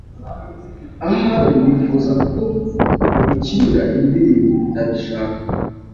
"Ahari wifuza ko ngukinira indirimbo." "Ndabishaka."